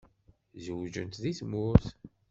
Zewǧent deg tmurt?